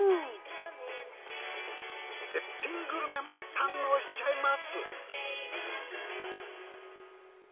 絶品グルメも堪能しちゃいます。